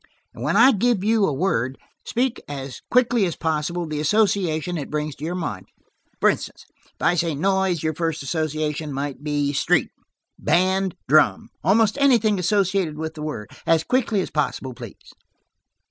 And when I give you a word, speak as quickly as possible the association it brings to your mind. For instance, I say 'noise.' Your first association might be 'street,' 'band,' 'drum,' almost anything associated with the word. As quickly as possible, please."